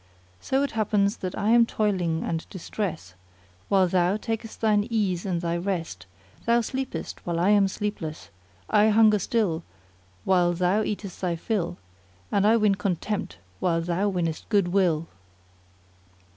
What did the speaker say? So it happens that I am toiling and distrest while thou takest thine ease and thy rest; thou sleepest while I am sleepless; I hunger still while thou eatest thy fill, and I win contempt while thou winnest good will."